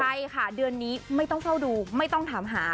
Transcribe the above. ใช่ค่ะเดือนนี้ไม่ต้องเฝ้าดูไม่ต้องถามหา